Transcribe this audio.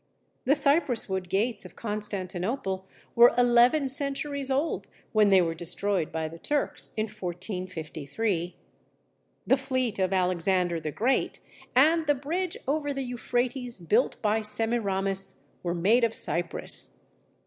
The Cypresswood gates of Constantinople were eleven centuries old when they were destroyed by the Turks in 1453. The fleet of Alexander the Great, and the bridge over the Euphrates built by Semiramis, were made of Cypress.